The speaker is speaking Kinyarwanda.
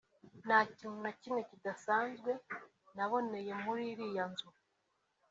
“Nta kintu na kimwe kidasanzwe naboneye muri iriya nzu